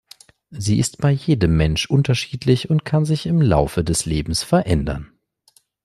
Sie ist bei jedem Mensch unterschiedlich und kann sich im Laufe des Lebens verändern.